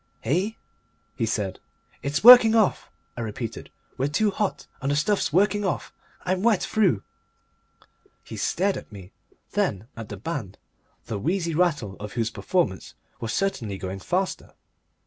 "Eh?" he said. "It's working off," I repeated. "We're too hot and the stuff's working off! I'm wet through." He stared at me. Then at the band, the wheezy rattle of whose performance was certainly going faster.